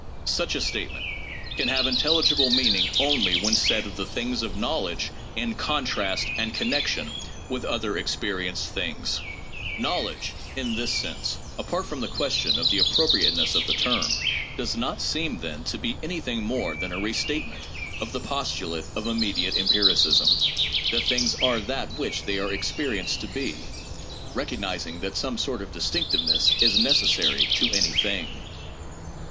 Such a statement can have intelligible meaning only when said of the things of knowledge in contrast and connection with other experienced things. Knowledge PSYCHOLOGY AND SCIENTIFIC METHODS 655 in this sense (apart from the question of the appropriateness of the term) does not seem, then, to be anything more than a restatement of the postulate of immediate empiricism: that things are that which they are experienced to be, recognizing that some sort of distinctive ness is necessary to any thing.